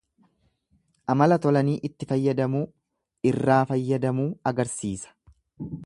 Amala tolanii itti fayyadamuu lrraa fayyadamuu agarsiisa.